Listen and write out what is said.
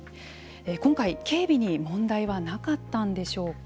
今回、警備に問題はなかったんでしょうか。